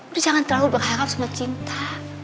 aku jangan terlalu berharap sama cinta